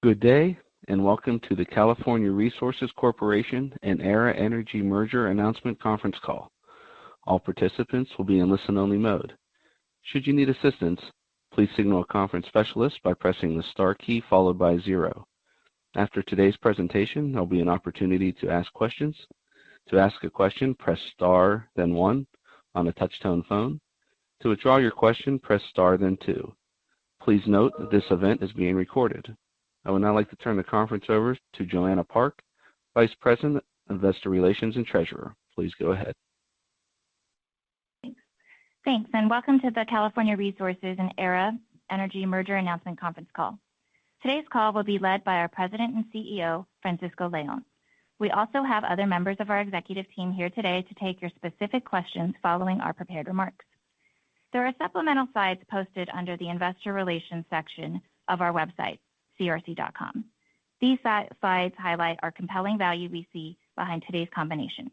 Good day, and welcome to the California Resources Corporation and Aera Energy Merger Announcement Conference Call. All participants will be in listen-only mode. Should you need assistance, please signal a conference specialist by pressing the star key followed by zero. After today's presentation, there'll be an opportunity to ask questions. To ask a question, press star then one on a touch-tone phone. To withdraw your question, press star then two. Please note that this event is being recorded. I would now like to turn the conference over to Joanna Park, Vice President, Investor Relations, and Treasurer. Please go ahead. Thanks. Thanks, and welcome to the California Resources and Aera Energy Merger Announcement Conference Call. Today's call will be led by our President and CEO, Francisco Leon. We also have other members of our executive team here today to take your specific questions following our prepared remarks. There are supplemental slides posted under the Investor Relations section of our website, crc.com. These slides highlight our compelling value we see behind today's combination.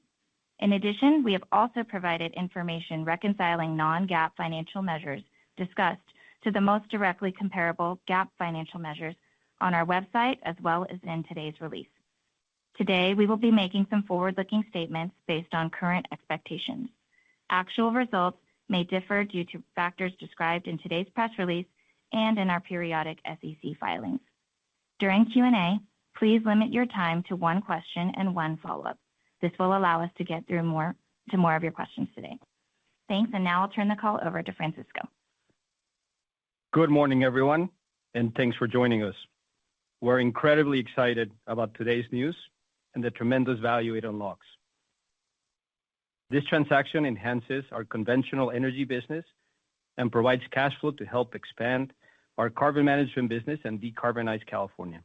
In addition, we have also provided information reconciling non-GAAP financial measures discussed to the most directly comparable GAAP financial measures on our website, as well as in today's release. Today, we will be making some forward-looking statements based on current expectations. Actual results may differ due to factors described in today's press release and in our periodic SEC filings. During Q&A, please limit your time to one question and one follow-up. This will allow us to get through more, to more of your questions today. Thanks, and now I'll turn the call over to Francisco. Good morning, everyone, and thanks for joining us. We're incredibly excited about today's news and the tremendous value it unlocks. This transaction enhances our conventional energy business and provides cash flow to help expand our carbon management business and decarbonize California.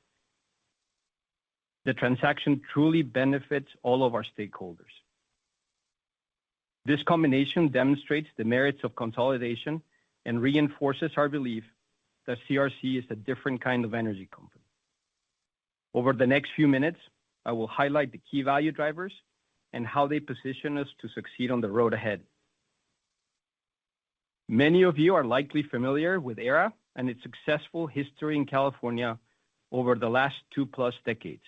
The transaction truly benefits all of our stakeholders. This combination demonstrates the merits of consolidation and reinforces our belief that CRC is a different kind of energy company. Over the next few minutes, I will highlight the key value drivers and how they position us to succeed on the road ahead. Many of you are likely familiar with Aera and its successful history in California over the last two-plus decades.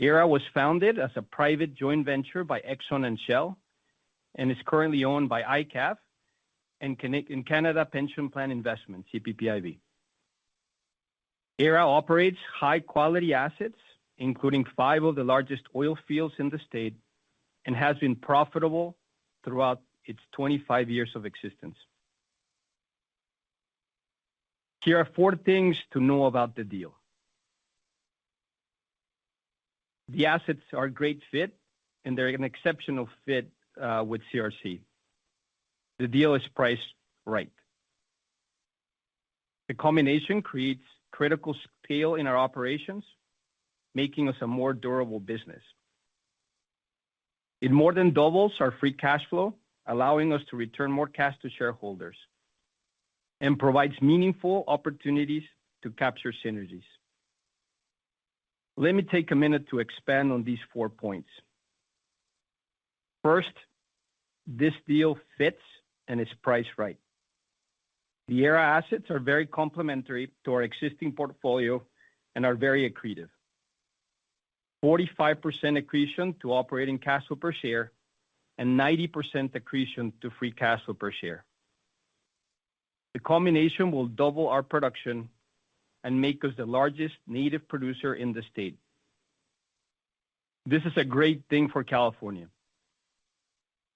Aera was founded as a private joint venture by Exxon and Shell and is currently owned by IKAV and Canada Pension Plan Investment, CPPIB. Aera operates high-quality assets, including five of the largest oil fields in the state, and has been profitable throughout its 25 years of existence. Here are four things to know about the deal. The assets are a great fit, and they're an exceptional fit, with CRC. The deal is priced right. The combination creates critical scale in our operations, making us a more durable business. It more than doubles our free cash flow, allowing us to return more cash to shareholders and provides meaningful opportunities to capture synergies. Let me take a minute to expand on these four points. First, this deal fits and is priced right. The Aera assets are very complementary to our existing portfolio and are very accretive. 45% accretion to operating cash flow per share and 90% accretion to free cash flow per share. The combination will double our production and make us the largest native producer in the state. This is a great thing for California.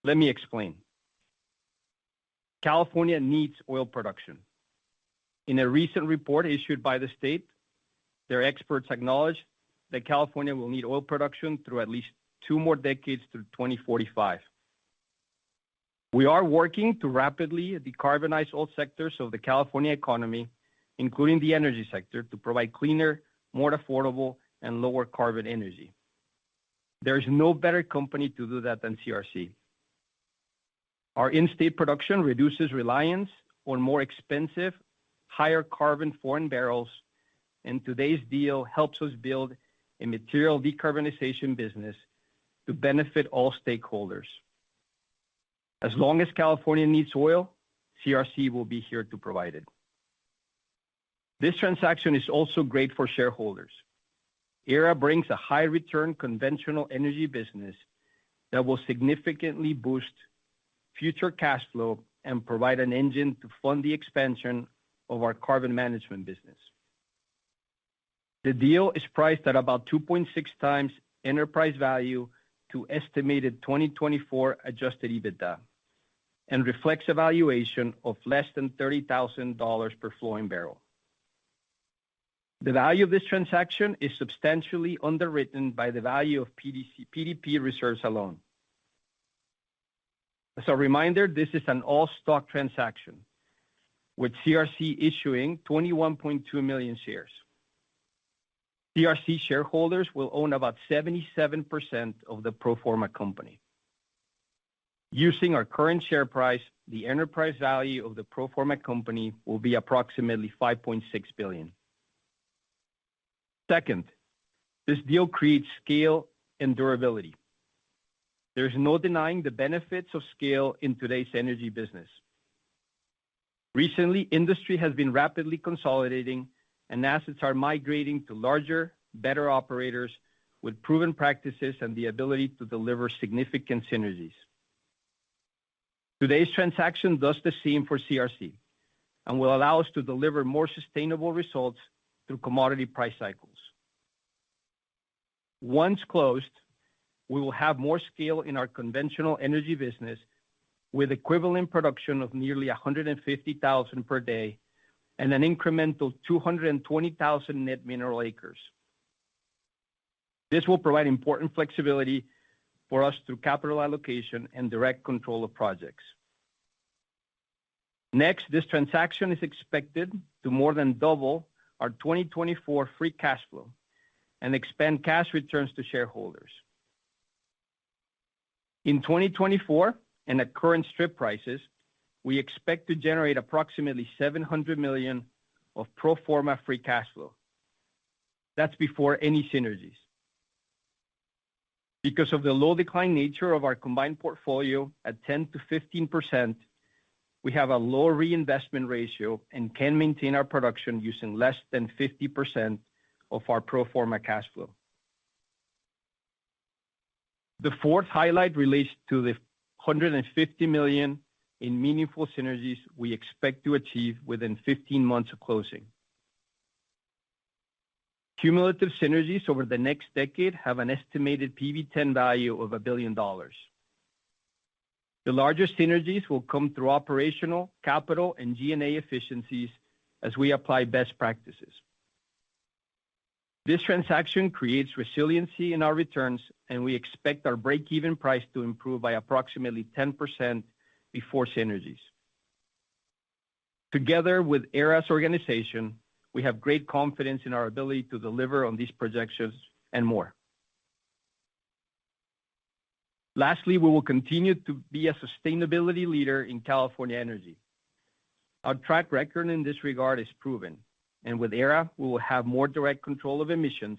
Let me explain. California needs oil production. In a recent report issued by the state, their experts acknowledge that California will need oil production through at least two more decades through 2045. We are working to rapidly decarbonize all sectors of the California economy, including the energy sector, to provide cleaner, more affordable, and lower carbon energy. There is no better company to do that than CRC. Our in-state production reduces reliance on more expensive, higher carbon foreign barrels, and today's deal helps us build a material decarbonization business to benefit all stakeholders. As long as California needs oil, CRC will be here to provide it. This transaction is also great for shareholders. Aera brings a high-return conventional energy business that will significantly boost future cash flow and provide an engine to fund the expansion of our carbon management business. The deal is priced at about 2.6x enterprise value to estimated 2024 Adjusted EBITDA and reflects a valuation of less than $30,000 per flowing barrel. The value of this transaction is substantially underwritten by the value of PDP reserves alone. As a reminder, this is an all-stock transaction, with CRC issuing 21.2 million shares. CRC shareholders will own about 77% of the pro forma company. Using our current share price, the enterprise value of the pro forma company will be approximately $5.6 billion. Second, this deal creates scale and durability. There's no denying the benefits of scale in today's energy business. Recently, industry has been rapidly consolidating and assets are migrating to larger, better operators with proven practices and the ability to deliver significant synergies. Today's transaction does the same for CRC, and will allow us to deliver more sustainable results through commodity price cycles. Once closed, we will have more scale in our conventional energy business, with equivalent production of nearly 150,000 per day and an incremental 220,000 net mineral acres. This will provide important flexibility for us through capital allocation and direct control of projects. Next, this transaction is expected to more than double our 2024 free cash flow and expand cash returns to shareholders. In 2024, and at current strip prices, we expect to generate approximately $700 million of pro forma free cash flow. That's before any synergies. Because of the low decline nature of our combined portfolio at 10%-15%, we have a low reinvestment ratio and can maintain our production using less than 50% of our pro forma cash flow. The fourth highlight relates to the $150 million in meaningful synergies we expect to achieve within 15 months of closing. Cumulative synergies over the next decade have an estimated PV-10 value of $1 billion. The largest synergies will come through operational, capital, and G&A efficiencies as we apply best practices. This transaction creates resiliency in our returns, and we expect our breakeven price to improve by approximately 10% before synergies. Together with Aera's organization, we have great confidence in our ability to deliver on these projections and more. Lastly, we will continue to be a sustainability leader in California energy. Our track record in this regard is proven, and with Aera, we will have more direct control of emissions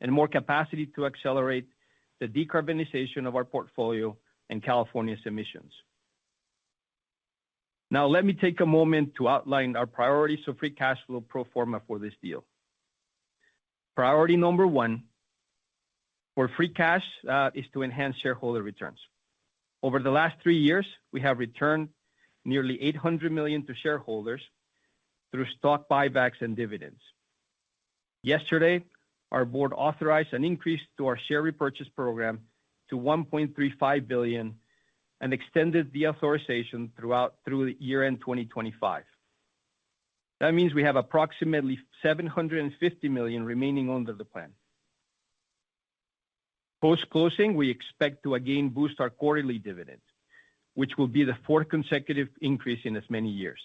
and more capacity to accelerate the decarbonization of our portfolio and California's emissions. Now, let me take a moment to outline our priorities for free cash flow pro forma for this deal. Priority number one for free cash is to enhance shareholder returns. Over the last three years, we have returned nearly $800 million to shareholders through stock buybacks and dividends. Yesterday, our board authorized an increase to our share repurchase program to $1.35 billion and extended the authorization through the year-end 2025. That means we have approximately $750 million remaining under the plan. Post-closing, we expect to again boost our quarterly dividend, which will be the fourth consecutive increase in as many years.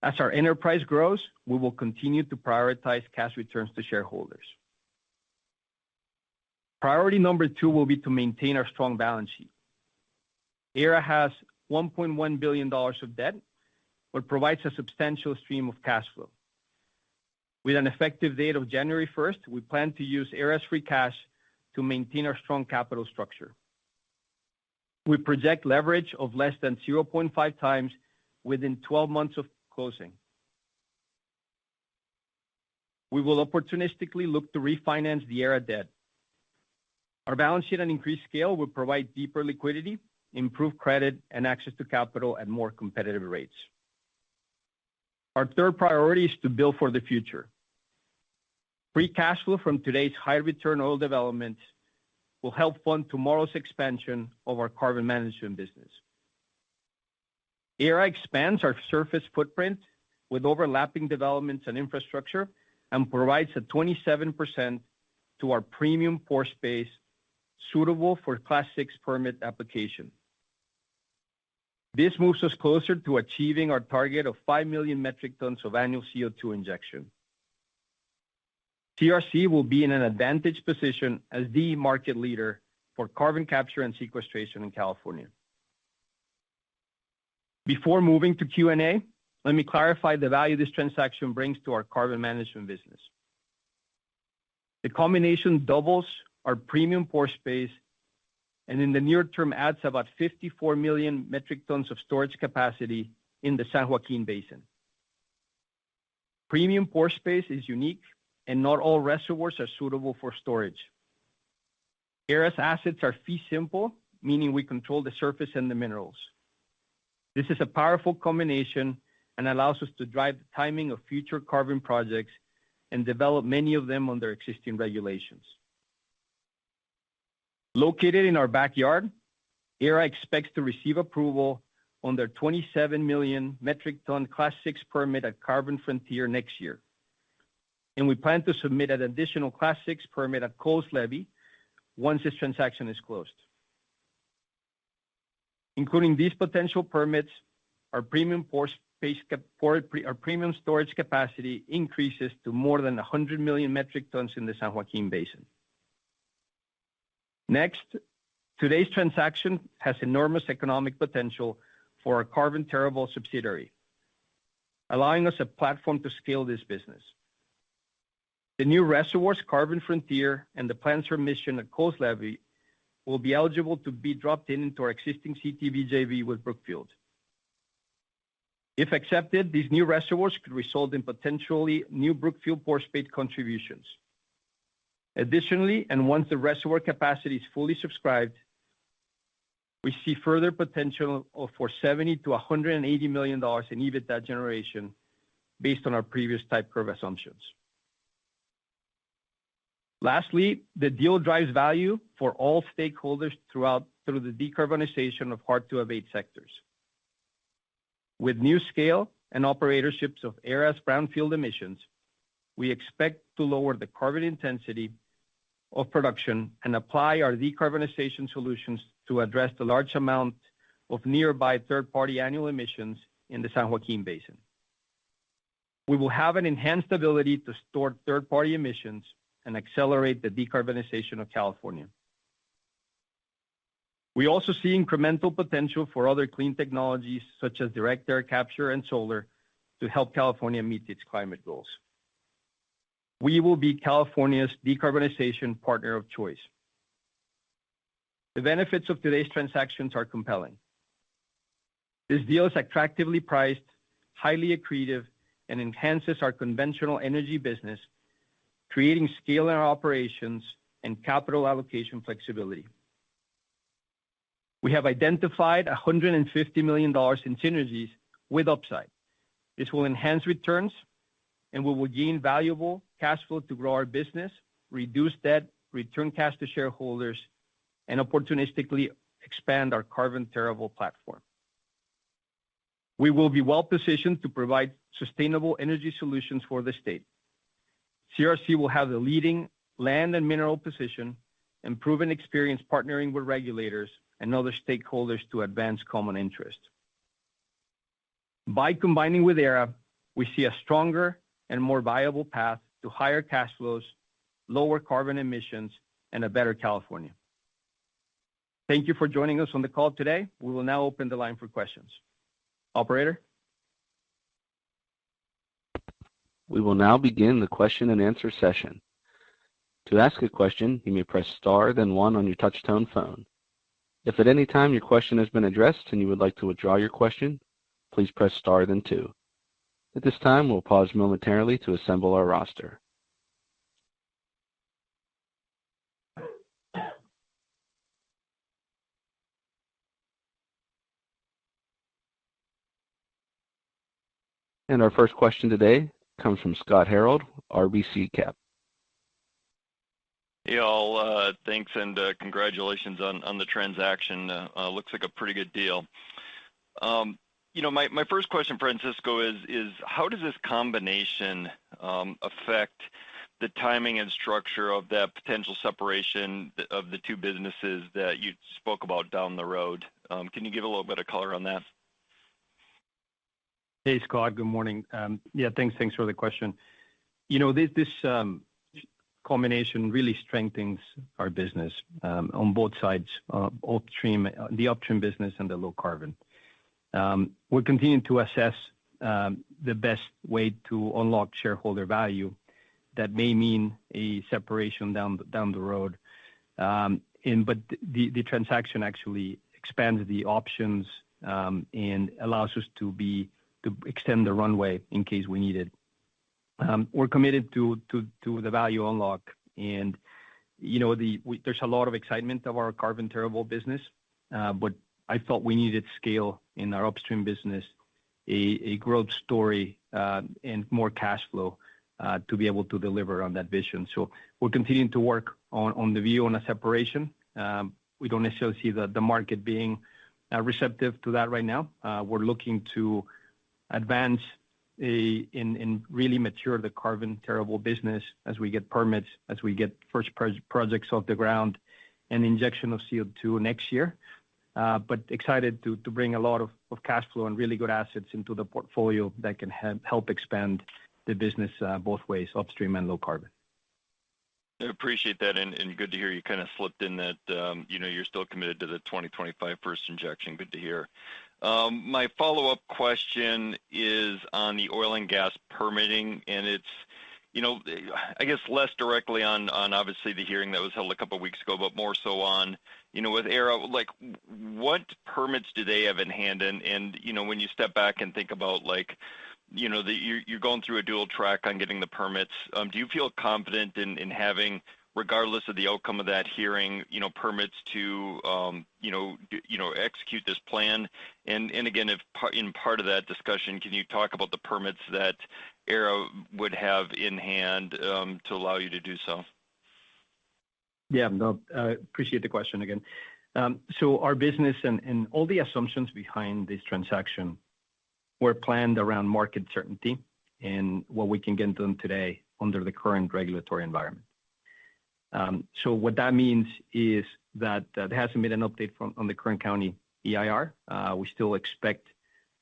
As our enterprise grows, we will continue to prioritize cash returns to shareholders. Priority number two will be to maintain our strong balance sheet. Aera has $1.1 billion of debt, but provides a substantial stream of cash flow. With an effective date of January 1, we plan to use Aera's free cash to maintain our strong capital structure. We project leverage of less than 0.5x within 12 months of closing. We will opportunistically look to refinance the Aera debt. Our balance sheet and increased scale will provide deeper liquidity, improved credit, and access to capital at more competitive rates. Our third priority is to build for the future. Free cash flow from today's high-return oil development will help fund tomorrow's expansion of our carbon management business. Aera expands our surface footprint with overlapping developments and infrastructure and provides a 27% to our premium pore space suitable for Class VI permit application. This moves us closer to achieving our target of 5 million metric tons of annual CO2 injection. CRC will be in an advantage position as the market leader for carbon capture and sequestration in California. Before moving to Q&A, let me clarify the value this transaction brings to our carbon management business. The combination doubles our premium pore space, and in the near term, adds about 54 million metric tons of storage capacity in the San Joaquin Basin. Premium pore space is unique, and not all reservoirs are suitable for storage. Aera's assets are fee simple, meaning we control the surface and the minerals. This is a powerful combination and allows us to drive the timing of future carbon projects and develop many of them under existing regulations. Located in our backyard, Aera expects to receive approval on their 27 million metric ton Class VI permit at Carbon Frontier next year, and we plan to submit an additional Class VI permit at Coles Levee once this transaction is closed. Including these potential permits, our premium pore space capacity increases to more than 100 million metric tons in the San Joaquin Basin. Next, today's transaction has enormous economic potential for our Carbon TerraVault subsidiary, allowing us a platform to scale this business. The new reservoirs, Carbon Frontier and the planned submission at Coles Levee, will be eligible to be dropped into our existing CTV JV with Brookfield. If accepted, these new reservoirs could result in potentially new Brookfield pore space contributions. Additionally, once the reservoir capacity is fully subscribed, we see further potential of $70 million-$180 million in EBITDA generation based on our previous type curve assumptions. Lastly, the deal drives value for all stakeholders through the decarbonization of hard-to-abate sectors. With new scale and operatorships of Aera's brownfield emissions, we expect to lower the carbon intensity of production and apply our decarbonization solutions to address the large amount of nearby third-party annual emissions in the San Joaquin Basin. We will have an enhanced ability to store third-party emissions and accelerate the decarbonization of California. We also see incremental potential for other clean technologies, such as direct air capture and solar, to help California meet its climate goals. We will be California's decarbonization partner of choice. The benefits of today's transactions are compelling. This deal is attractively priced, highly accretive, and enhances our conventional energy business, creating scale in our operations and capital allocation flexibility. We have identified $150 million in synergies with upside. This will enhance returns, and we will gain valuable cash flow to grow our business, reduce debt, return cash to shareholders, and opportunistically expand our Carbon TerraVault platform. We will be well-positioned to provide sustainable energy solutions for the state. CRC will have the leading land and mineral position and proven experience partnering with regulators and other stakeholders to advance common interests. By combining with Aera, we see a stronger and more viable path to higher cash flows, lower carbon emissions, and a better California. Thank you for joining us on the call today. We will now open the line for questions. Operator? We will now begin the question-and-answer session. To ask a question, you may press star, then one on your touchtone phone. If at any time your question has been addressed and you would like to withdraw your question, please press star then two. At this time, we'll pause momentarily to assemble our roster. Our first question today comes from Scott Hanold, RBC Cap. Hey, all. Thanks, and congratulations on the transaction. Looks like a pretty good deal. You know, my first question, Francisco, is how does this combination affect the timing and structure of that potential separation of the two businesses that you spoke about down the road? Can you give a little bit of color on that? Hey, Scott. Good morning. Yeah, thanks. Thanks for the question. You know, this combination really strengthens our business on both sides, upstream, the upstream business and the low carbon. We're continuing to assess the best way to unlock shareholder value. That may mean a separation down the road. And but the transaction actually expands the options and allows us to extend the runway in case we need it. We're committed to the value unlock and, you know, there's a lot of excitement of our Carbon TerraVault business, but I thought we needed scale in our upstream business, a growth story, and more cash flow to be able to deliver on that vision. So we're continuing to work on the view on a separation. We don't necessarily see the market being receptive to that right now. We're looking to advance and really mature the Carbon TerraVault business as we get permits, as we get first projects off the ground and injection of CO2 next year. But excited to bring a lot of cash flow and really good assets into the portfolio that can help expand the business, both ways, upstream and low carbon. I appreciate that, and good to hear you kinda slipped in that, you know, you're still committed to the 2025 first injection. Good to hear. My follow-up question is on the oil and gas permitting, and it's, you know, I guess, less directly on, on obviously the hearing that was held a couple of weeks ago, but more so on, you know, with Aera. Like, what permits do they have in hand? And, you know, when you step back and think about, like, you know, that you're, you're going through a dual track on getting the permits, do you feel confident in, in having, regardless of the outcome of that hearing, you know, permits to, you know, execute this plan? Again, in part of that discussion, can you talk about the permits that Aera would have in hand to allow you to do so? Yeah. No, I appreciate the question again. So our business and, and all the assumptions behind this transaction were planned around market certainty and what we can get done today under the current regulatory environment. So what that means is that, there hasn't been an update on the current county EIR. We still expect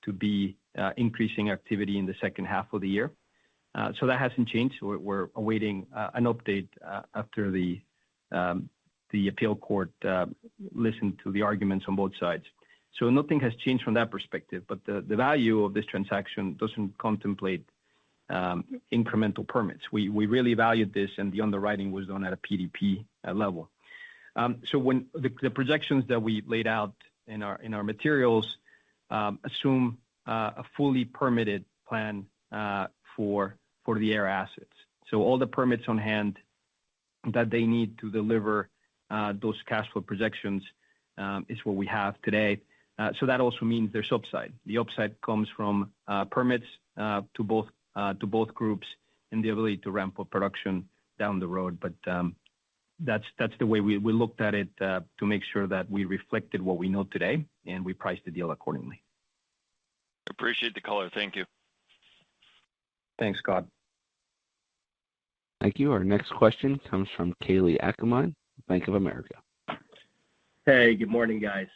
to be increasing activity in the second half of the year. So that hasn't changed. We're, we're awaiting an update after the appeal court listened to the arguments on both sides. So nothing has changed from that perspective, but the, the value of this transaction doesn't contemplate incremental permits. We, we really valued this, and the underwriting was done at a PDP level. So when the projections that we laid out in our materials assume a fully permitted plan for the Aera assets. So all the permits on hand that they need to deliver those cash flow projections is what we have today. So that also means there's upside. The upside comes from permits to both groups and the ability to ramp up production down the road. But that's the way we looked at it to make sure that we reflected what we know today and we priced the deal accordingly. Appreciate the color. Thank you. Thanks, Scott. Thank you. Our next question comes from Kalei Akamine, Bank of America. Hey, good morning, guys.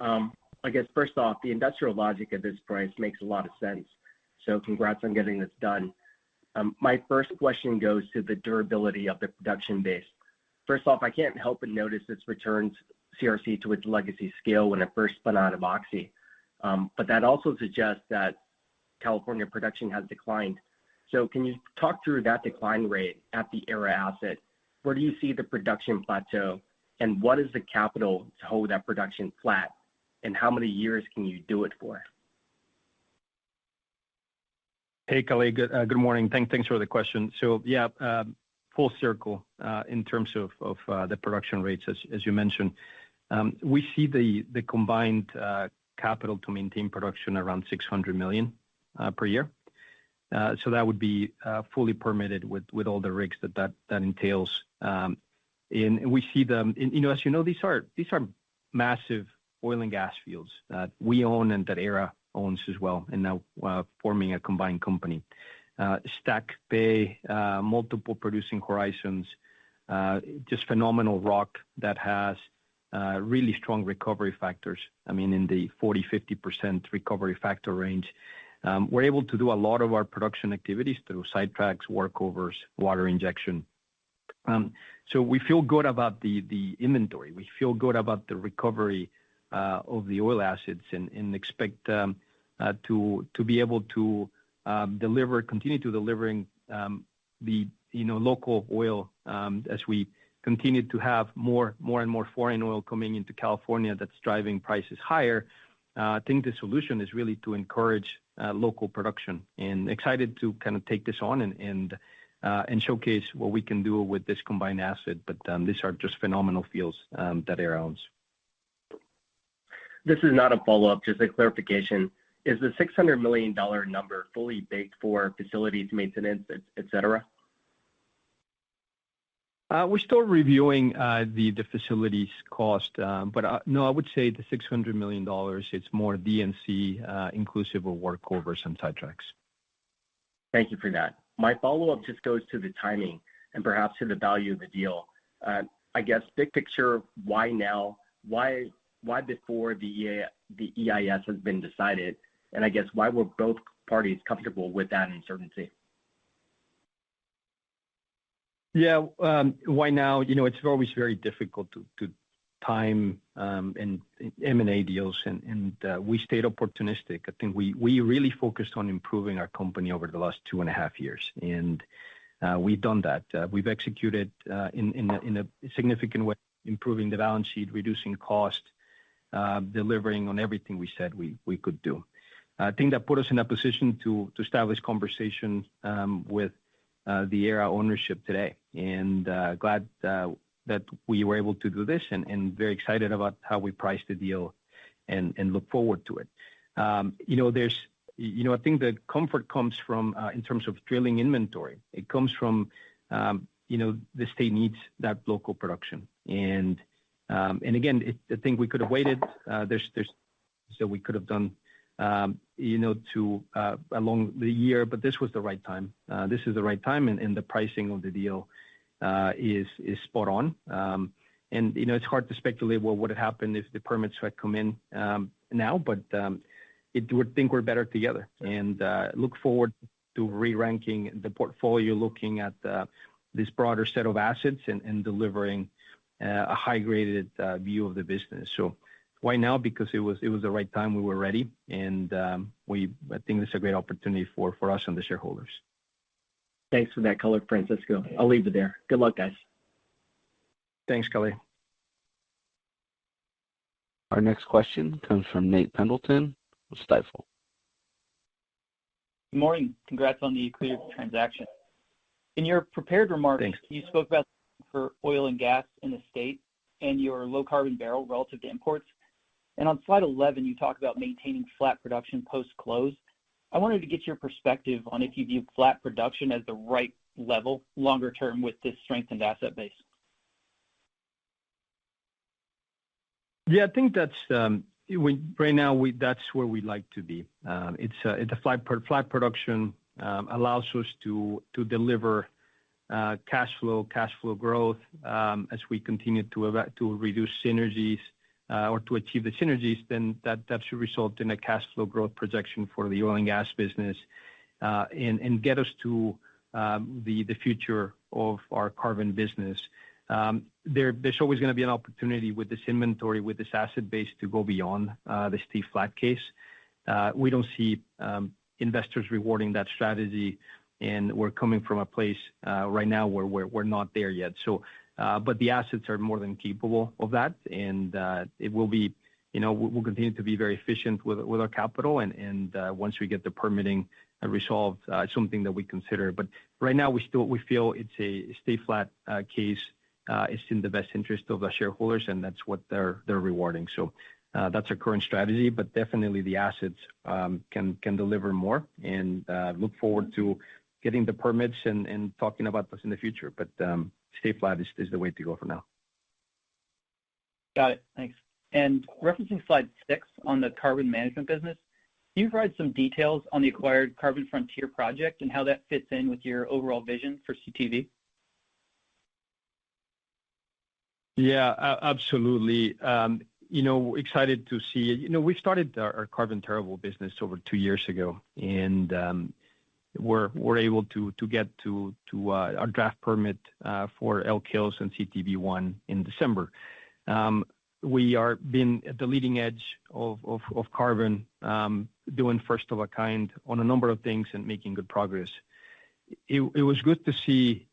I guess first off, the industrial logic of this price makes a lot of sense. So congrats on getting this done. My first question goes to the durability of the production base. First off, I can't help but notice this returns CRC to its legacy scale when it first spun out of Oxy. But that also suggests that California production has declined. So can you talk through that decline rate at the Aera asset? Where do you see the production plateau, and what is the capital to hold that production flat, and how many years can you do it for? Hey, Kalei. Good morning. Thanks for the question. So, yeah, full circle in terms of the production rates, as you mentioned. We see the combined capital to maintain production around $600 million per year. So that would be fully permitted with all the rigs that that entails. And, you know, as you know, these are massive oil and gas fields that we own and that Aera owns as well, and now forming a combined company. Stacked pay, multiple producing horizons, just phenomenal rock that has really strong recovery factors. I mean, in the 40%-50% recovery factor range. We're able to do a lot of our production activities through sidetracks, workovers, water injection. So we feel good about the inventory. We feel good about the recovery of the oil assets and expect to be able to continue to deliver the, you know, local oil as we continue to have more and more foreign oil coming into California that's driving prices higher. I think the solution is really to encourage local production, and excited to kind of take this on and showcase what we can do with this combined asset. But these are just phenomenal fields that Aera owns. This is not a follow-up, just a clarification. Is the $600 million number fully baked for facilities, maintenance, et cetera? We're still reviewing the facilities cost, but no, I would say the $600 million. It's more D&C inclusive of workovers and sidetracks. Thank you for that. My follow-up just goes to the timing and perhaps to the value of the deal. I guess, big picture, why now? Why, why before the EA- the EIS has been decided? And I guess why were both parties comfortable with that uncertainty? Yeah, why now? You know, it's always very difficult to time and M&A deals, and we stayed opportunistic. I think we really focused on improving our company over the last two and a half years, and we've done that. We've executed in a significant way, improving the balance sheet, reducing cost, delivering on everything we said we could do. I think that put us in a position to establish conversations with the Aera ownership today, and glad that we were able to do this, and very excited about how we priced the deal and look forward to it. You know, there's you know, I think the comfort comes from in terms of drilling inventory. It comes from you know, the state needs that local production. And again, I think we could have waited. So we could have done, you know, too along the year, but this was the right time. This is the right time, and the pricing of the deal is spot on. And, you know, it's hard to speculate what would have happened if the permits had come in now, but we think we're better together, and look forward to reranking the portfolio, looking at this broader set of assets and delivering a high-graded view of the business. So why now? Because it was the right time, we were ready, and I think this is a great opportunity for us and the shareholders. Thanks for that color, Francisco. I'll leave it there. Good luck, guys. Thanks, Kalei. Our next question comes from Nate Pendleton with Stifel. Good morning. Congrats on the cleared transaction. Thanks. In your prepared remarks, you spoke about four oil and gas in the state and your low carbon barrel relative to imports. On slide 11, you talked about maintaining flat production post-close. I wanted to get your perspective on if you view flat production as the right level longer term with this strengthened asset base. Yeah, I think that's where we'd like to be right now. It's a flat production allows us to deliver cash flow, cash flow growth, as we continue to achieve the synergies, then that should result in a cash flow growth projection for the oil and gas business, and get us to the future of our carbon business. There's always gonna be an opportunity with this inventory, with this asset base, to go beyond the stay flat case. We don't see investors rewarding that strategy, and we're coming from a place right now where we're not there yet. So, but the assets are more than capable of that, and, it will be, you know, we'll continue to be very efficient with our capital, and, once we get the permitting resolved, it's something that we consider. But right now, we feel it's a stay flat case is in the best interest of the shareholders, and that's what they're rewarding. So, that's our current strategy, but definitely the assets can deliver more, and look forward to getting the permits and talking about this in the future. But, stay flat is the way to go for now. Got it. Thanks. And referencing slide 6 on the carbon management business, can you provide some details on the acquired Carbon Frontier project and how that fits in with your overall vision for CTV? Yeah, absolutely. You know, excited to see. You know, we started our Carbon TerraVault business over two years ago, and we're able to get to our draft permit for Elk Hills and CTV I in December. We have been at the leading edge of carbon, doing first of a kind on a number of things and making good progress. It was good to see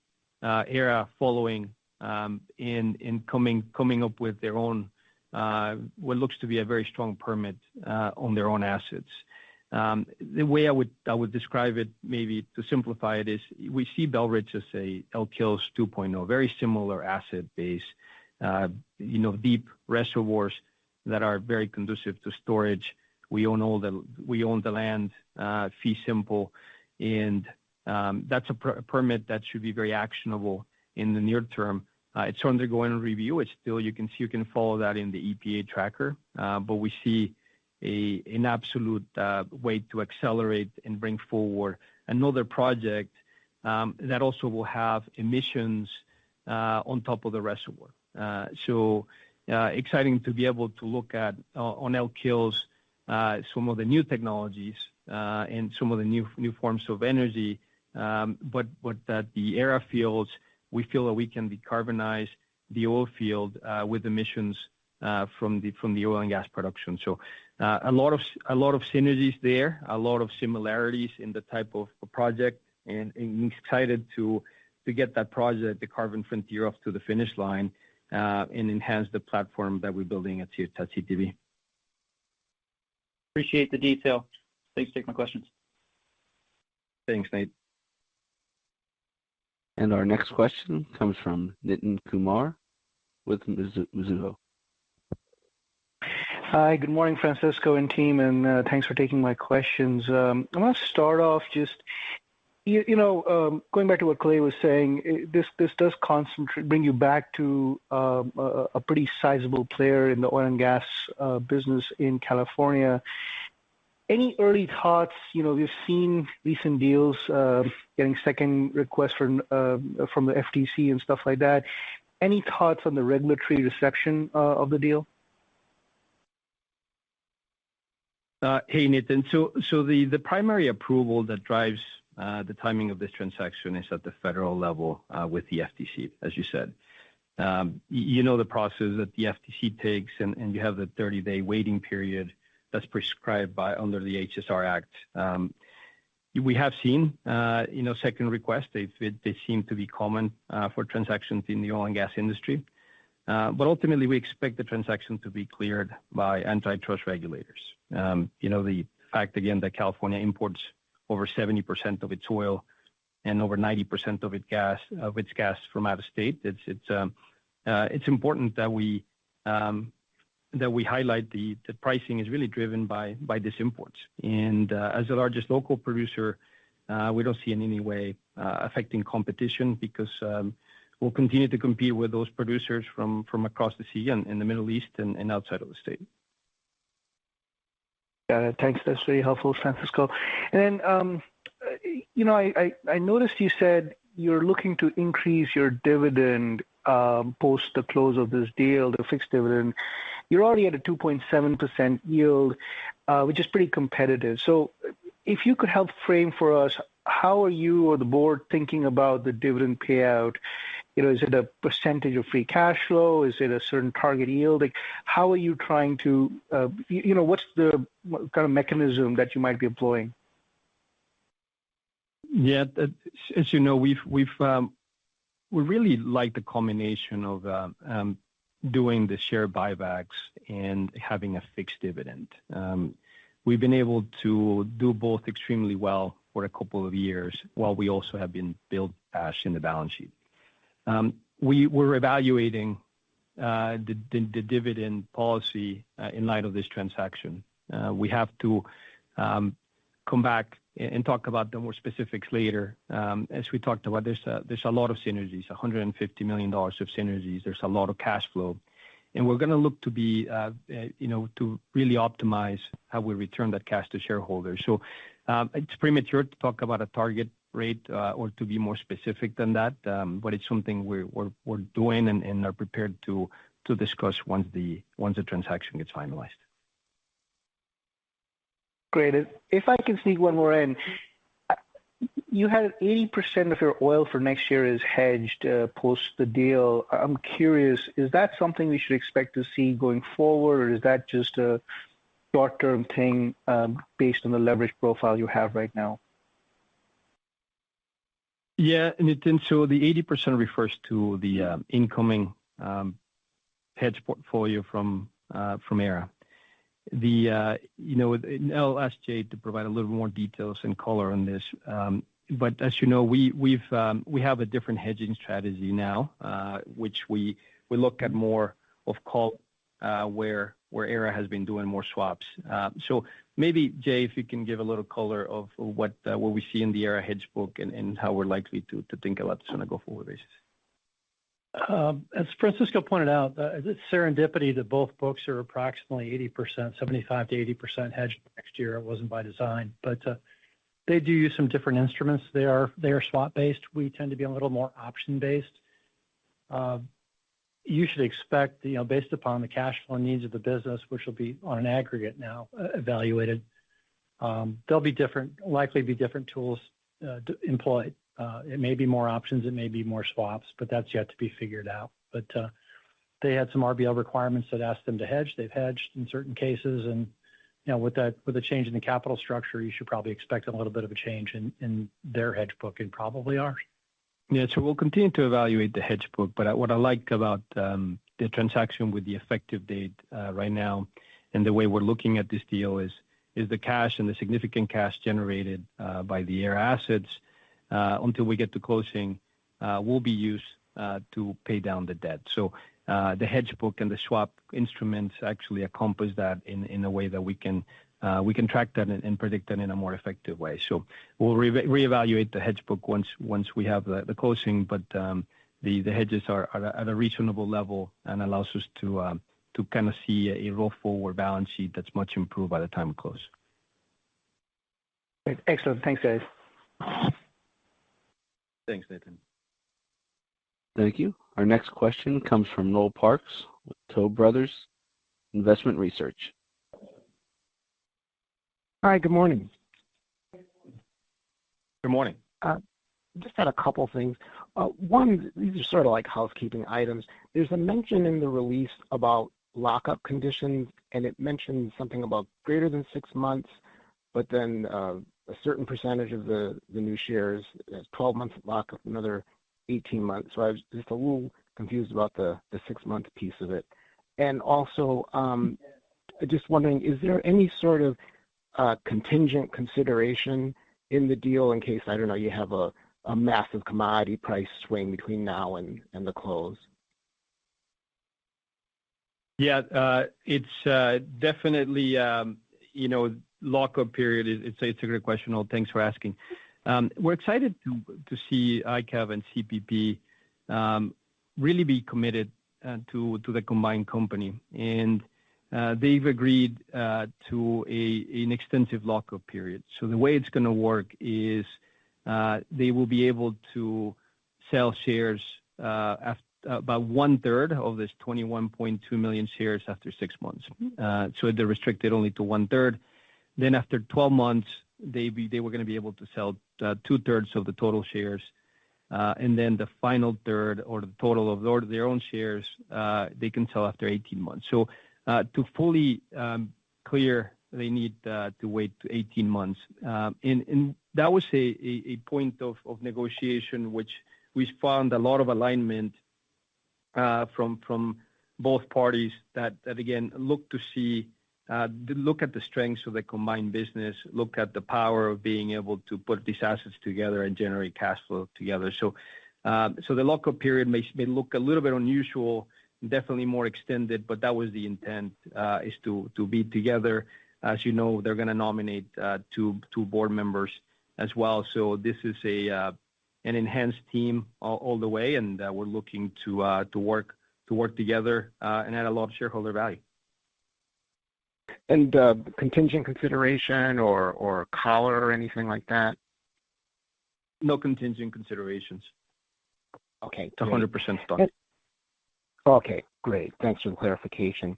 Aera following and coming up with their own what looks to be a very strong permit on their own assets. The way I would describe it, maybe to simplify it, is we see Belridge as Elk Hills 2.0. Very similar asset base, you know, deep reservoirs that are very conducive to storage. We own all the land, fee simple, and that's a permit that should be very actionable in the near term. It's undergoing a review. You can see, you can follow that in the EPA tracker. But we see an absolute way to accelerate and bring forward another project that also will have emissions on top of the reservoir. So exciting to be able to look at on Elk Hills some of the new technologies and some of the new forms of energy, but with that, the Aera fields, we feel that we can decarbonize the oil field with emissions from the oil and gas production. So, a lot of synergies there, a lot of similarities in the type of project, and excited to get that project, the Carbon Frontier, off to the finish line, and enhance the platform that we're building at CTV. Appreciate the detail. Thanks for taking my questions. Thanks, Nate. Our next question comes from Nitin Kumar with Mizuho. Hi, good morning, Francisco and team, and, thanks for taking my questions. I want to start off just, you know, going back to what Kalei was saying, this does concentrate—bring you back to, a pretty sizable player in the oil and gas, business in California. Any early thoughts? You know, we've seen recent deals, getting second requests from, from the FTC and stuff like that. Any thoughts on the regulatory section, of the deal? Hey, Nitin. So, the primary approval that drives the timing of this transaction is at the federal level with the FTC, as you said. You know, the process that the FTC takes, and you have the 30-day waiting period that's prescribed by under the HSR Act. We have seen, you know, second requests. They seem to be common for transactions in the oil and gas industry. But ultimately, we expect the transaction to be cleared by antitrust regulators. You know, the fact again, that California imports over 70% of its oil and over 90% of its gas from out of state, it's important that we highlight the pricing is really driven by this imports. As the largest local producer, we don't see in any way affecting competition because we'll continue to compete with those producers from, from across the sea and in the Middle East and, and outside of the state. Got it. Thanks. That's very helpful, Francisco. And, you know, I noticed you said you're looking to increase your dividend post the close of this deal, the fixed dividend. You're already at a 2.7% yield, which is pretty competitive. So if you could help frame for us, how are you or the board thinking about the dividend payout? You know, is it a percentage of free cash flow? Is it a certain target yield? Like, how are you trying to... You know, what's the, what kind of mechanism that you might be employing? Yeah, as you know, we've we really like the combination of doing the share buybacks and having a fixed dividend. We've been able to do both extremely well for a couple of years, while we also have been building cash in the balance sheet. We're evaluating the dividend policy in light of this transaction. We have to come back and talk about the more specifics later. As we talked about, there's a lot of synergies, $150 million of synergies. There's a lot of cash flow, and we're gonna look to be, you know, to really optimize how we return that cash to shareholders. So, it's premature to talk about a target rate, or to be more specific than that, but it's something we're doing and are prepared to discuss once the transaction gets finalized. Great. And if I can sneak one more in, you had 80% of your oil for next year is hedged, post the deal. I'm curious, is that something we should expect to see going forward, or is that just a short-term thing, based on the leverage profile you have right now? Yeah, Nate, so the 80% refers to the incoming hedge portfolio from Aera. You know, and I'll ask Jay to provide a little more details and color on this. But as you know, we have a different hedging strategy now, which we look at more of a collar, where Aera has been doing more swaps. So maybe, Jay, if you can give a little color on what we see in the Aera hedge book and how we're likely to think about this on a go-forward basis. As Francisco pointed out, it's serendipity that both books are approximately 80%, 75%-80% hedged next year. It wasn't by design, but they do use some different instruments. They are swap-based. We tend to be a little more option-based. You should expect, you know, based upon the cash flow needs of the business, which will be on an aggregate now, evaluated. There'll be different, likely different, tools to employ. It may be more options, it may be more swaps, but that's yet to be figured out. But they had some RBL requirements that asked them to hedge. They've hedged in certain cases, and, you know, with the change in the capital structure, you should probably expect a little bit of a change in their hedge book and probably ours. Yeah. So we'll continue to evaluate the hedge book, but what I like about the transaction with the effective date right now and the way we're looking at this deal is the cash and the significant cash generated by the Aera assets until we get to closing will be used to pay down the debt. So the hedge book and the swap instruments actually accomplish that in a way that we can track that and predict that in a more effective way. So we'll reevaluate the hedge book once we have the closing. But the hedges are at a reasonable level and allows us to kind of see a roll forward balance sheet that's much improved by the time we close. Great. Excellent. Thanks, guys. Thanks, Nathan. Thank you. Our next question comes from Noel Parks with Tuohy Brothers Investment Research. Hi, good morning. Good morning. Just had a couple of things. One, these are sort of like housekeeping items. There's a mention in the release about lockup conditions, and it mentions something about greater than six months, but then, a certain percentage of the, the new shares has 12 months lock up, another 18 months. So I was just a little confused about the, the six-month piece of it. And also, just wondering, is there any sort of, contingent consideration in the deal in case, I don't know, you have a, a massive commodity price swing between now and, and the close? Yeah, it's definitely, you know, lock-up period. It's a great question, Noel. Thanks for asking. We're excited to see IKAV and CPP really be committed to the combined company. And they've agreed to an extensive lock-up period. So the way it's gonna work is, they will be able to sell shares, about one third of this 21.2 million shares after six months. So they're restricted only to one third. Then after 12 months, they were gonna be able to sell two-thirds of the total shares. And then the final third or the total of their own shares, they can sell after 18 months. So to fully clear, they need to wait to 18 months. That was a point of negotiation, which we found a lot of alignment from both parties that again look at the strengths of the combined business, look at the power of being able to put these assets together and generate cash flow together. So the lock-up period may look a little bit unusual, definitely more extended, but that was the intent is to be together. As you know, they're gonna nominate two board members as well. So this is an enhanced team all the way, and we're looking to work together and add a lot of shareholder value. Contingent consideration or collar or anything like that? No contingent considerations. Okay. It's 100% stock. Okay, great. Thanks for the clarification.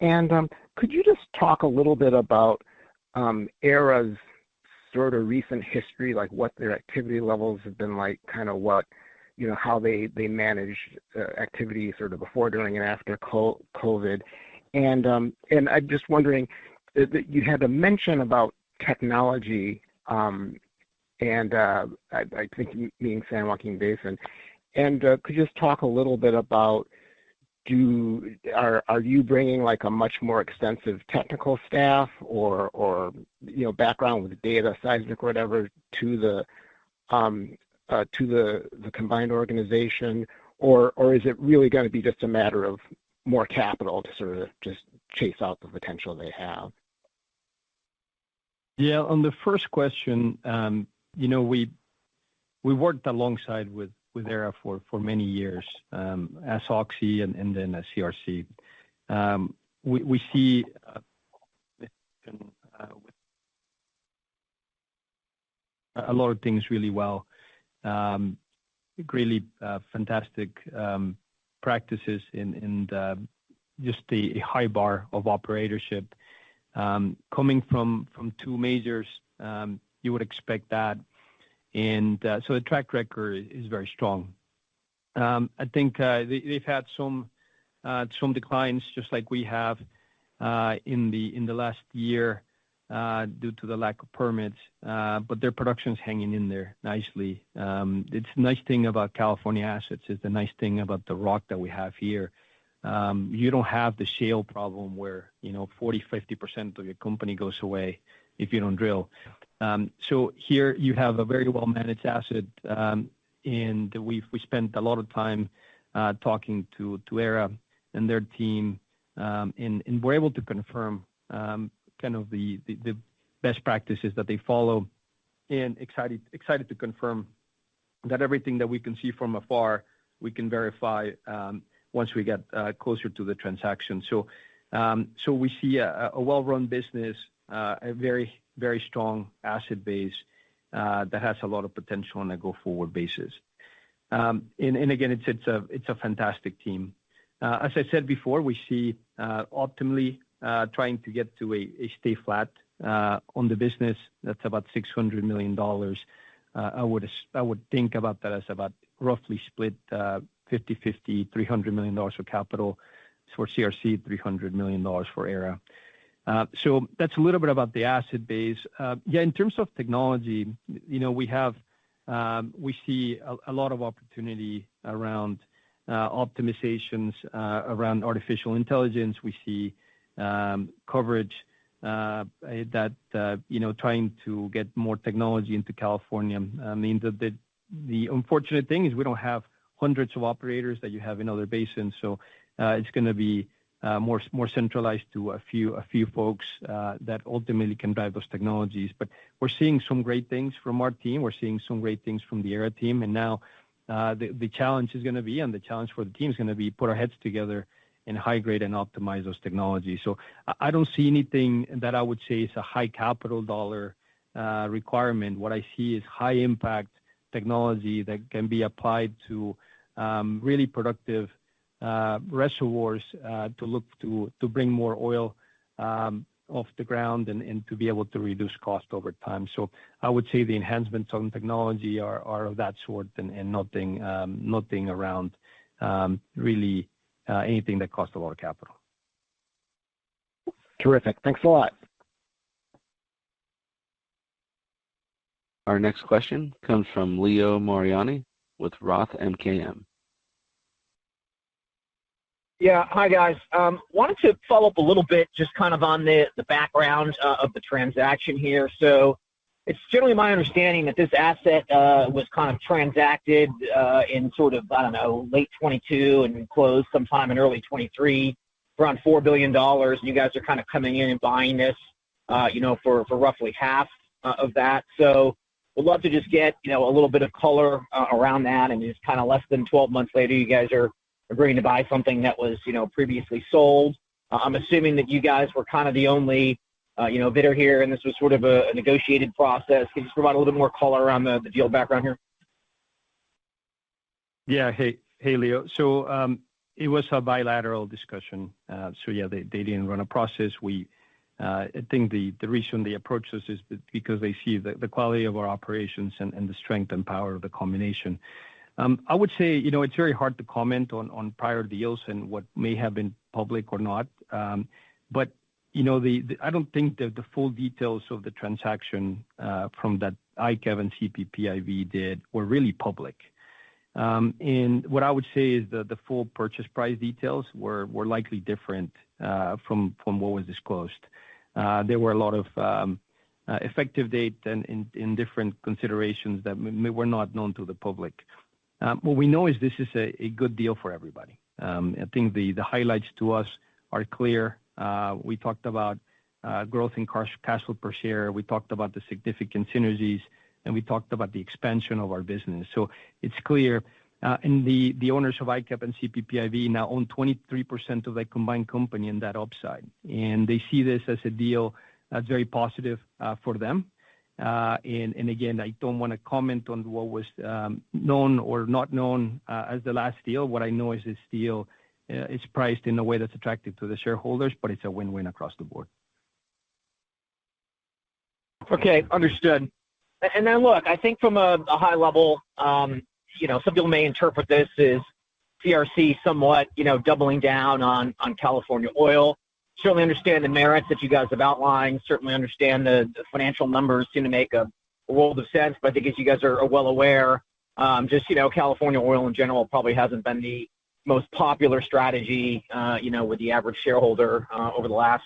Could you just talk a little bit about Aera's sort of recent history, like what their activity levels have been like, kind of what, you know, how they manage activity sort of before, during, and after COVID? And I'm just wondering, you had a mention about technology, and I think you meaning San Joaquin Basin. Could you just talk a little bit about, are you bringing, like, a much more extensive technical staff or, you know, background with data, seismic, or whatever, to the combined organization? Or is it really gonna be just a matter of more capital to sort of just chase out the potential they have? Yeah, on the first question, you know, we, we worked alongside with, with Aera for, for many years, as Oxy and, and then as CRC. We, we see a lot of things really well. Really, fantastic practices in, in the, just the high bar of operatorship. Coming from, from two majors, you would expect that. And, so the track record is very strong. I think, they, they've had some, some declines just like we have, in the, in the last year, due to the lack of permits, but their production's hanging in there nicely. It's a nice thing about California assets. It's a nice thing about the rock that we have here. You don't have the shale problem where, you know, 40%, 50% of your company goes away if you don't drill. So here you have a very well-managed asset, and we've spent a lot of time talking to Aera and their team, and we're able to confirm kind of the best practices that they follow and excited to confirm that everything that we can see from afar, we can verify once we get closer to the transaction. So we see a well-run business, a very, very strong asset base that has a lot of potential on a go-forward basis. And again, it's a fantastic team. As I said before, we see optimally trying to get to a stay flat on the business. That's about $600 million. I would think about that as about roughly split 50/50, $300 million of capital for CRC, $300 million for Aera. So that's a little bit about the asset base. Yeah, in terms of technology, you know, we have we see a lot of opportunity around optimizations around artificial intelligence. We see coverage that you know, trying to get more technology into California. I mean, the unfortunate thing is we don't have hundreds of operators that you have in other basins, so it's gonna be more centralized to a few folks that ultimately can drive those technologies. But we're seeing some great things from our team. We're seeing some great things from the Aera team. Now, the challenge is gonna be, and the challenge for the team is gonna be, put our heads together and integrate and optimize those technologies. So I don't see anything that I would say is a high capital dollar requirement. What I see is high impact technology that can be applied to really productive reservoirs to look to bring more oil off the ground and to be able to reduce cost over time. So I would say the enhancements on technology are of that sort and nothing around really anything that costs a lot of capital. Terrific. Thanks a lot. Our next question comes from Leo Mariani with Roth MKM. Yeah. Hi, guys. Wanted to follow up a little bit, just kind of on the background of the transaction here. So it's generally my understanding that this asset was kind of transacted in sort of, I don't know, late 2022 and closed sometime in early 2023, around $4 billion. You guys are kind of coming in and buying this, you know, for roughly half of that. So would love to just get, you know, a little bit of color around that, and just kind of less than 12 months later, you guys are agreeing to buy something that was, you know, previously sold. I'm assuming that you guys were kind of the only, you know, bidder here, and this was sort of a negotiated process. Can you just provide a little more color around the deal background here? Yeah. Hey, hey, Leo. So, it was a bilateral discussion. So yeah, they didn't run a process. We... I think the reason they approached us is because they see the quality of our operations and the strength and power of the combination. I would say, you know, it's very hard to comment on prior deals and what may have been public or not, but, you know, I don't think that the full details of the transaction from that IKAV and CPP Investments were really public. And what I would say is that the full purchase price details were likely different from what was disclosed. There were a lot of effective date and in different considerations that were not known to the public. What we know is this is a good deal for everybody. I think the highlights to us are clear. We talked about growth in cash flow per share, we talked about the significant synergies, and we talked about the expansion of our business. So it's clear, and the owners of IKAV and CPPIB now own 23% of the combined company in that upside, and they see this as a deal that's very positive for them. And again, I don't wanna comment on what was known or not known as the last deal. What I know is this deal is priced in a way that's attractive to the shareholders, but it's a win-win across the board. Okay. Understood. And then, look, I think from a high level, you know, some people may interpret this as CRC somewhat, you know, doubling down on California Oil. Certainly understand the merits that you guys have outlined, certainly understand the financial numbers seem to make a world of sense. But I think, as you guys are well aware, just, you know, California Oil in general, probably hasn't been the most popular strategy, you know, with the average shareholder, over the last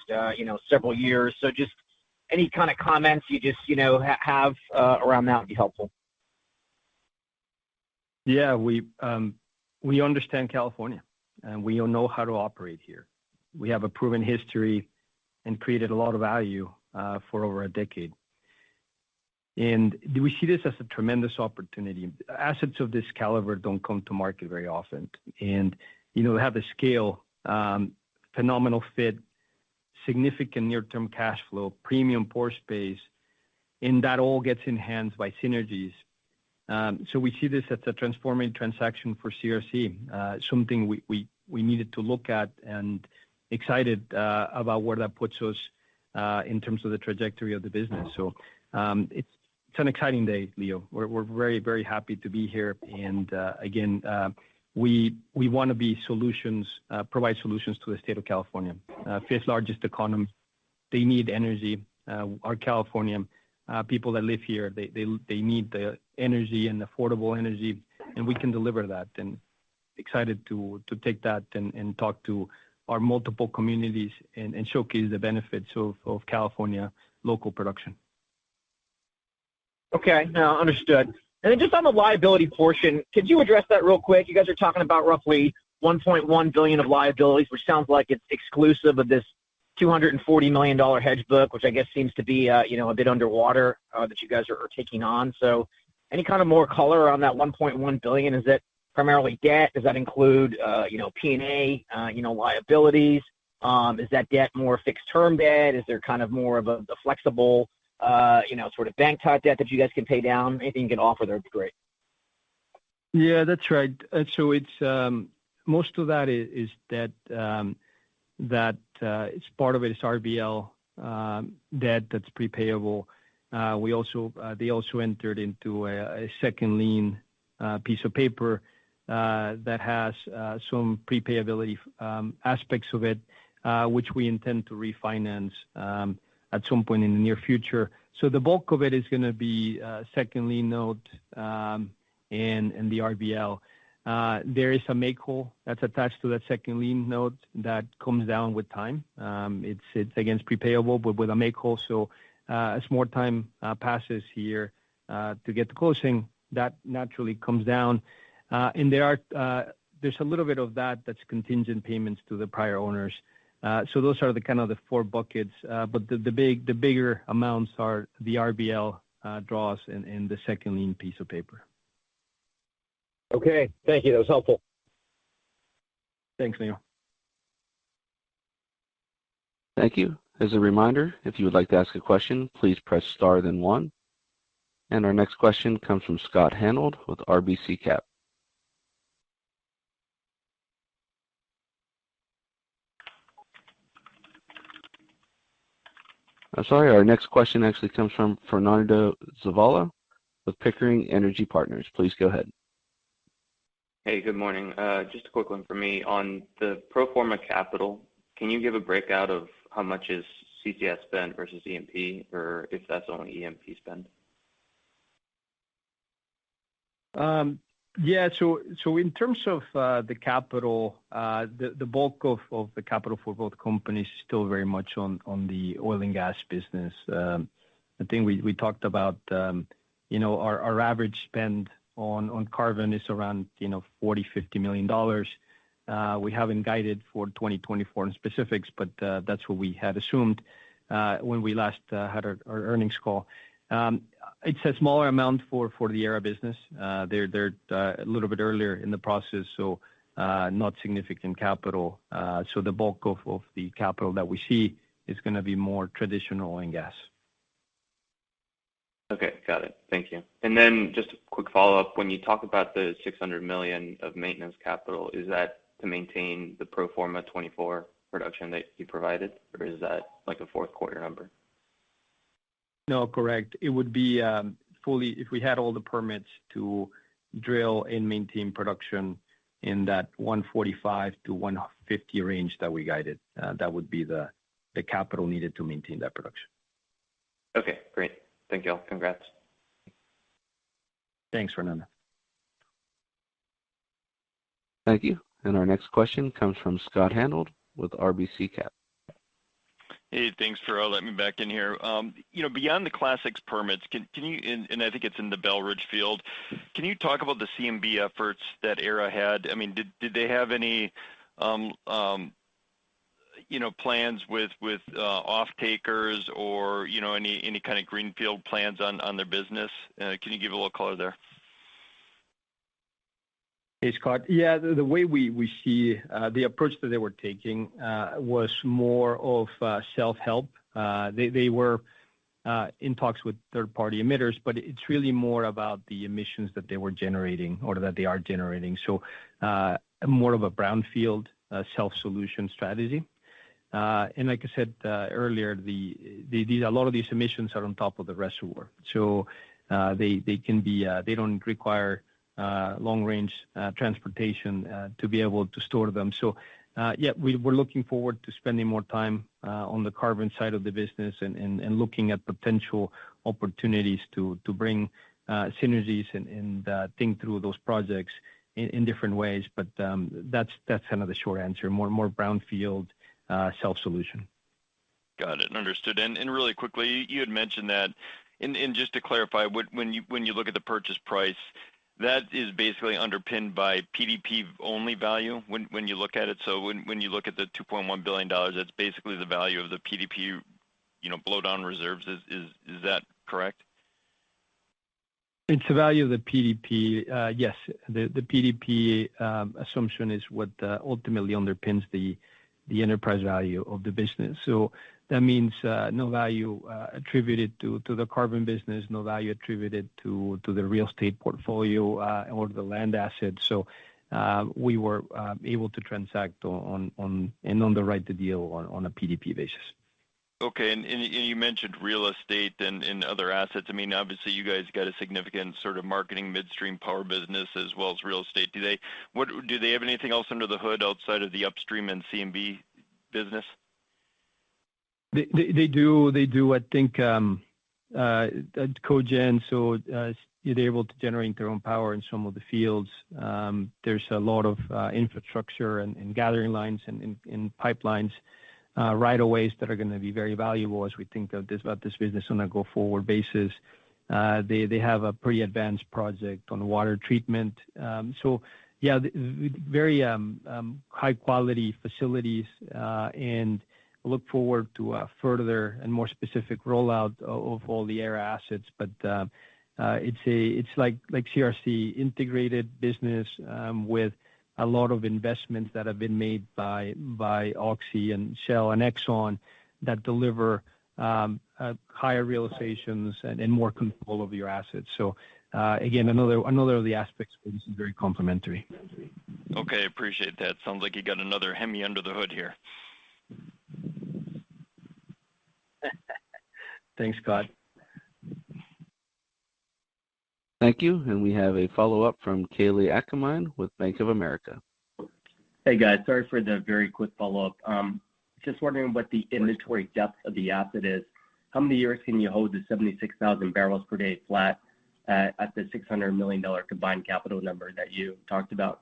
several years. So just any kind of comments you just, you know, have around that would be helpful. Yeah, we, we understand California, and we all know how to operate here. We have a proven history and created a lot of value, for over a decade, and do we see this as a tremendous opportunity? Assets of this caliber don't come to market very often, and, you know, we have the scale, phenomenal fit, significant near-term cash flow, premium pore space, and that all gets enhanced by synergies. So we see this as a transformative transaction for CRC. Something we needed to look at and excited, about where that puts us, in terms of the trajectory of the business. So, it's an exciting day, Leo. We're very, very happy to be here. And, again, we want to be solutions- provide solutions to the state of California. Fifth largest economy, they need energy. Our Californian people that live here, they need the energy and affordable energy, and we can deliver that. And excited to take that and talk to our multiple communities and showcase the benefits of California local production. Okay, now understood. And then just on the liability portion, could you address that real quick? You guys are talking about roughly $1.1 billion of liabilities, which sounds like it's exclusive of this $240 million hedge book, which I guess seems to be, you know, a bit underwater, that you guys are taking on. So any kind of more color on that $1.1 billion, is that primarily debt? Does that include, you know, P&A, you know, liabilities? Is that debt more fixed-term debt? Is there kind of more of a, the flexible, you know, sort of bank-type debt that you guys can pay down? Anything you can offer there would be great. Yeah, that's right. So it's most of that is debt that it's part of it is RBL debt that's prepayable. We also they also entered into a second lien piece of paper that has some prepayability aspects of it which we intend to refinance at some point in the near future. So the bulk of it is gonna be second lien note and the RBL. There is a make-whole that's attached to that second lien note that comes down with time. It's against prepayable but with a make-whole. So as more time passes here to get the closing that naturally comes down. And there are there's a little bit of that that's contingent payments to the prior owners. So those are kind of the four buckets, but the bigger amounts are the RBL draws and the second lien piece of paper. Okay, thank you. That was helpful. Thanks, Leo. Thank you. As a reminder, if you would like to ask a question, please press star, then one. Our next question comes from Scott Hanold with RBC Cap. I'm sorry, our next question actually comes from Fernando Zavala with Pickering Energy Partners. Please go ahead. Hey, good morning. Just a quick one for me. On the pro forma capital, can you give a breakout of how much is CCS spend versus E&P, or if that's only EMP spend? Yeah. So in terms of the capital, the bulk of the capital for both companies is still very much on the oil and gas business. I think we talked about, you know, our average spend on carbon is around, you know, $40 million-$50 million. We haven't guided for 2024 in specifics, but that's what we had assumed when we last had our earnings call. It's a smaller amount for the Aera business. They're a little bit earlier in the process, so not significant capital. So the bulk of the capital that we see is gonna be more traditional oil and gas. Okay, got it. Thank you. And then just a quick follow-up. When you talk about the $600 million of maintenance capital, is that to maintain the pro forma 2024 production that you provided, or is that like a fourth quarter number? No, correct. It would be fully... If we had all the permits to drill and maintain production in that 145-150 range that we guided, that would be the capital needed to maintain that production. Okay, great. Thank you all. Congrats. Thanks, Fernando. Thank you. And our next question comes from Scott Hanold with RBC Cap. Hey, thanks for letting me back in here. You know, beyond the Class VI permits, can you and I think it's in the Belridge Field, can you talk about the CCS efforts that Aera had? I mean, did they have any, you know, plans with off-takers or, you know, any kind of greenfield plans on their business? Can you give a little color there? Hey, Scott. Yeah, the way we see the approach that they were taking was more of self-help. They were in talks with third-party emitters, but it's really more about the emissions that they were generating or that they are generating. So, more of a brownfield self-solution strategy. And like I said earlier, a lot of these emissions are on top of the reservoir, so they can be, they don't require long-range transportation to be able to store them. So yeah, we're looking forward to spending more time on the carbon side of the business and looking at potential opportunities to bring synergies and think through those projects in different ways. But that's kind of the short answer, more brownfield self-solution. Got it, understood. Really quickly, you had mentioned that... And just to clarify, when you look at the purchase price, that is basically underpinned by PDP only value when you look at it. So when you look at the $2.1 billion, that's basically the value of the PDP, you know, blowdown reserves. Is that correct? It's the value of the PDP. Yes, the PDP assumption is what ultimately underpins the enterprise value of the business. So that means no value attributed to the carbon business, no value attributed to the real estate portfolio or the land assets. So we were able to transact on the right to deal on a PDP basis. Okay. And you mentioned real estate and other assets. I mean, obviously, you guys got a significant sort of marketing midstream power business as well as real estate. Do they have anything else under the hood outside of the upstream and CMB business? They do. They do, I think, cogen, so they're able to generate their own power in some of the fields. There's a lot of infrastructure and gathering lines and pipelines, rights of way that are gonna be very valuable as we think about this business on a go-forward basis. They have a pretty advanced project on water treatment. So yeah, very high quality facilities, and look forward to a further and more specific rollout of all the Aera assets. But it's like CRC integrated business, with a lot of investments that have been made by Oxy and Shell and Exxon that deliver a higher realizations and more control over your assets. So, again, another of the aspects where this is very complementary. Okay, appreciate that. Sounds like you got another Hemi under the hood here. Thanks, Scott. Thank you. We have a follow-up from Kalei Akamine with Bank of America. Hey, guys. Sorry for the very quick follow-up. Just wondering what the inventory depth of the asset is. How many years can you hold the 76,000 barrels per day flat at, at the $600 million combined capital number that you talked about?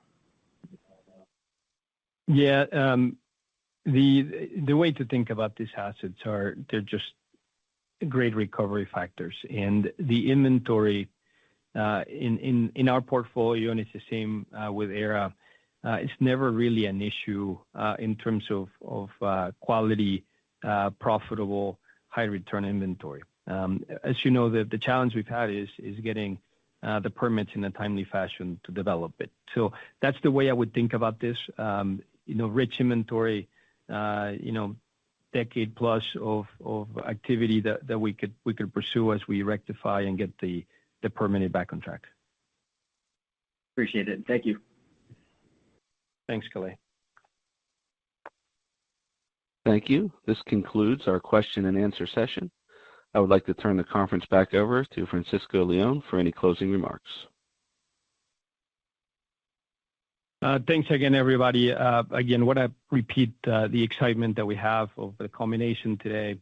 Yeah. The way to think about these assets are they're just great recovery factors. And the inventory in our portfolio, and it's the same with Aera, it's never really an issue in terms of quality profitable, high return inventory. As you know, the challenge we've had is getting the permits in a timely fashion to develop it. So that's the way I would think about this. You know, rich inventory, you know, decade plus of activity that we could pursue as we rectify and get the permitting back on track. Appreciate it. Thank you. Thanks, Kalei. Thank you. This concludes our question-and-answer session. I would like to turn the conference back over to Francisco Leon for any closing remarks. Thanks again, everybody. Again, what I repeat, the excitement that we have of the combination today.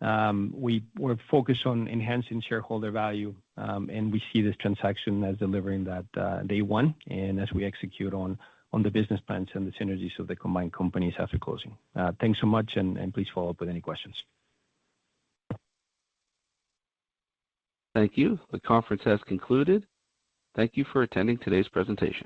We're focused on enhancing shareholder value, and we see this transaction as delivering that, day one, and as we execute on the business plans and the synergies of the combined companies after closing. Thanks so much, and please follow up with any questions. Thank you. The conference has concluded. Thank you for attending today's presentation.